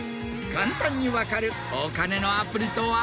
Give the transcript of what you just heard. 簡単に分かるお金のアプリとは？